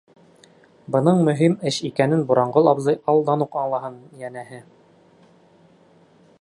Бының мөһим эш икәнен Буранғол абзый алдан уҡ аңлаһын, йәнәһе.